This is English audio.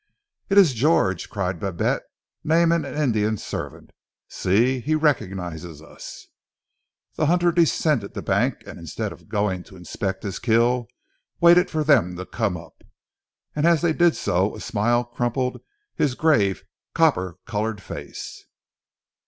"It is George," cried Babette, naming an Indian servant. "See, he recognizes us." The hunter descended the bank, and instead of going to inspect his kill waited for them to come up. As they did so a smile crumpled his grave copper coloured face.